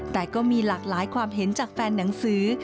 แต่ก็มีหลากหลายความเห็นจากแฟนหนังสือ